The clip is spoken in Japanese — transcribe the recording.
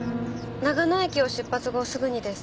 長野駅を出発後すぐにです。